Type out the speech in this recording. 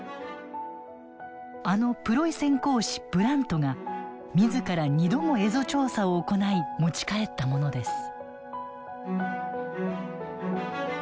あのプロイセン公使ブラントが自ら２度も蝦夷調査を行い持ち帰ったものです。